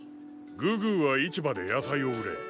グーグーは市場で野菜を売れ。